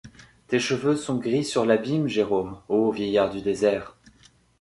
Tes cheveux sont gris sur l’abîme, Jérôme, ô vieillard du désert!